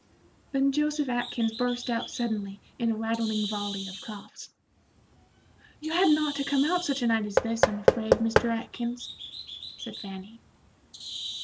Then Joseph Atkins burst out suddenly in a rattling volley of coughs. "You hadn't ought to come out such a night as this, I'm afraid, Mr. Atkins," said Fanny.